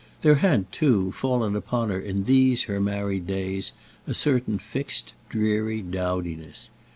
There had, too, fallen upon her in these her married days a certain fixed dreary dowdiness.